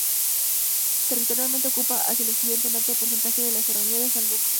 Territorialmente ocupa hacia el occidente un alto porcentaje de la Serranía de San Lucas.